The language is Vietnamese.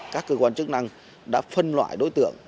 các cơ quan chức năng đã phân loại đối tượng